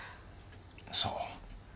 そう。